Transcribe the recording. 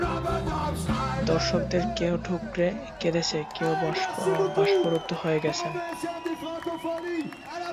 দর্শকদের কেউ ডুকরে কেঁদেছেন, কেউ বাষ্পরুদ্ধ হয়ে গেছেন।